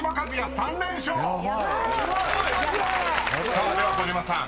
［さあでは児嶋さん